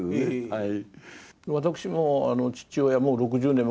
はい。